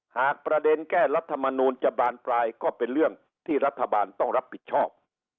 หากประเด็นแก้รัฐมนูลจะบานปลายก็เป็นเรื่องที่รัฐบาลต้องรับผิดชอบ